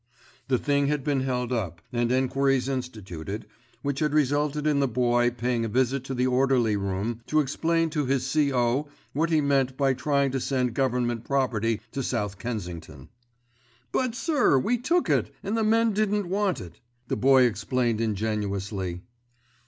The thing had been held up and enquiries instituted, which had resulted in the Boy paying a visit to the orderly room to explain to his C.O. what he meant by trying to send Government property to S. Kensington. "But, sir, we took it, and the men didn't want it," the Boy explained ingenuously.